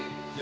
yuk yuk yuk